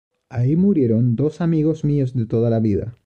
Ahí murieron dos amigos míos de toda la vida.